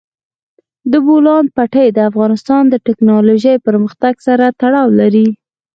د بولان پټي د افغانستان د تکنالوژۍ پرمختګ سره تړاو لري.